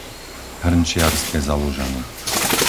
Hrnčiarske Zalužany